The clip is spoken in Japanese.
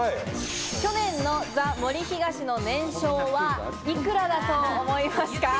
去年のザ・森東の年商はいくらだと思いますか？